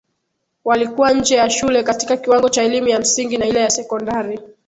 walikuwa nje ya shule katika kiwango cha elimu ya msingi na ile ya sekondari